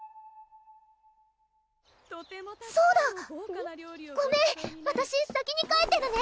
そうだごめんわたし先に帰ってるね！